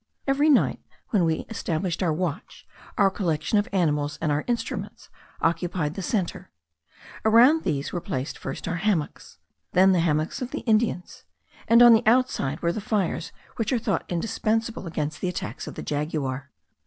Every night, when we established our watch, our collection of animals and our instruments occupied the centre; around these were placed first our hammocks, then the hammocks of the Indians; and on the outside were the fires which are thought indispensable against the attacks of the jaguar.